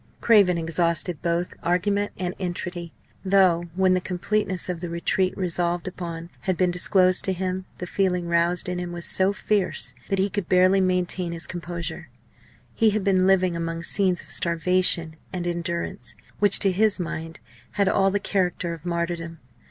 Craven exhausted both argument and entreaty, though when the completeness of the retreat resolved upon had been disclosed to him, the feeling roused in him was so fierce that he could barely maintain his composure. He had been living among scenes of starvation and endurance, which, to his mind, had all the character of martyrdom.